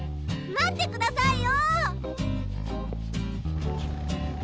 待ってくださいよ！